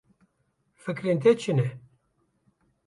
Fikrên te çi ne?